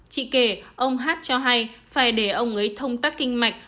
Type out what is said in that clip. chị kể ông h cho hay phải để ông ấy thông tắc kinh mạch